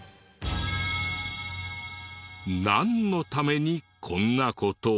なんのためにこんな事を。